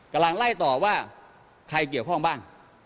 กำลังไล่ต่อว่าใครเกี่ยวข้องบ้าง